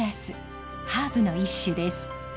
ハーブの一種です。